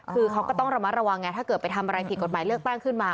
คือเขาก็ต้องระมัดระวังไงถ้าเกิดไปทำอะไรผิดกฎหมายเลือกตั้งขึ้นมา